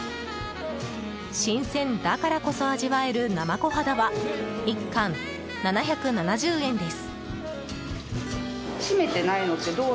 新鮮だからこそ味わえる生コハダは１貫７７０円です。